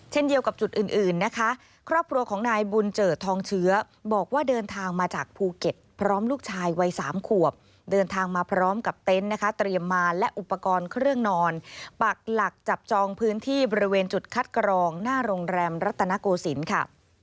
เดียวกับจุดอื่นอื่นนะคะครอบครัวของนายบุญเจิดทองเชื้อบอกว่าเดินทางมาจากภูเก็ตพร้อมลูกชายวัยสามขวบเดินทางมาพร้อมกับเต็นต์นะคะเตรียมมาและอุปกรณ์เครื่องนอนปักหลักจับจองพื้นที่บริเวณจุดคัดกรองหน้าโรงแรมรัตนโกศิลป์ค่ะ